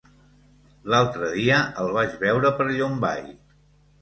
L'altre dia el vaig veure per Llombai.